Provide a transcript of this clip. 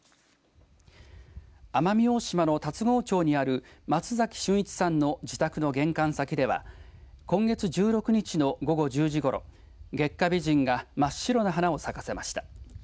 奄美大島の龍郷町にある松崎俊一さんの自宅の玄関先では今月１６日の午後１０時ごろ月下美人が真っ白な花を咲かせました。